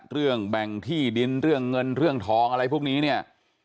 เรื่องแบ่งที่ดินเรื่องเงินเรื่องทองอะไรพวกนี้เนี่ย